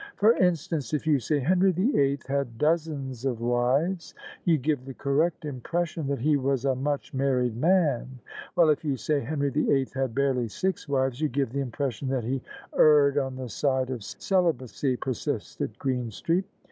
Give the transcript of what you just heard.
For instance, if you say * Henry the Eighth had dozens of wives,* you give the correct impression that he was a much married man : while if you say, * Henry the Eighth had barely six wives ' you give the impression that he erred on the side of celibacy," persisted Greenstreet.